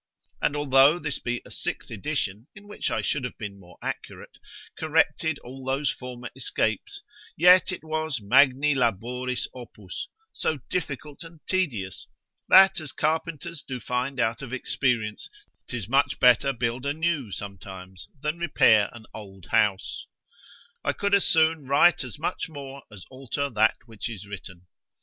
And although this be a sixth edition, in which I should have been more accurate, corrected all those former escapes, yet it was magni laboris opus, so difficult and tedious, that as carpenters do find out of experience, 'tis much better build a new sometimes, than repair an old house; I could as soon write as much more, as alter that which is written.